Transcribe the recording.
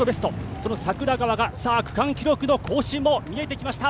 その櫻川が区間記録の更新も見えてきました。